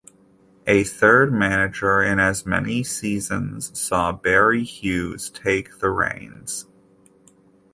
A third manager in as many seasons saw Barrie Hughes take the reins.